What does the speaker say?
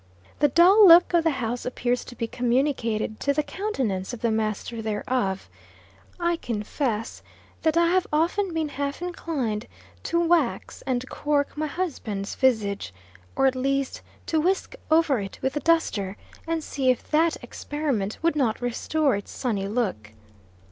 The dull look of the house appears to be communicated to the countenance of the master thereof. I confess that I have often been half inclined to wax and cork my husband's visage, or at least to whisk over it with the duster, and see if that experiment would not restore its sunny look.